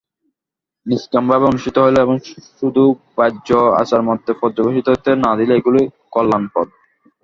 নিষ্কামভাবে অনুষ্ঠিত হইলে এবং শুধু বাহ্য আচারমাত্রে পর্যবসিত হইতে না দিলে এগুলি কল্যাণপ্রদ।